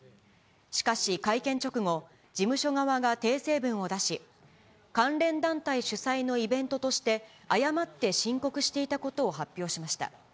しかし、会見直後、事務所側が訂正文を出し、関連団体主催のイベントとして誤って申告していたことを発表しました。